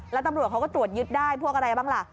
แล้วตำรวจเขาก็ตรวจยึดได้พวกอะไรบ้างล่ะ